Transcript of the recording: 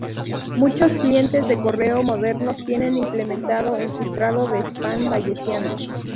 Muchos clientes de correo modernos tienen implementado el filtrado se spam bayesiano.